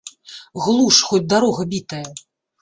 Глуш, хоць дарога бітая.